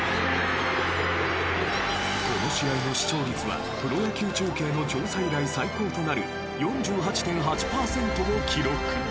この試合の視聴率はプロ野球中継の調査以来最高となる４８．８パーセントを記録。